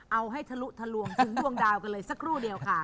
เอาให้ทะลุทะลวงถึงดวงดาวกันเลยสักครู่เดียวค่ะ